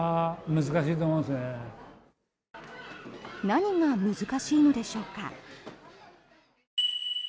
何が難しいのでしょうか。